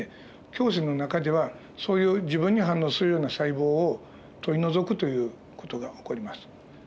胸腺の中ではそういう自分に反応するような細胞を取り除くという事が起こります。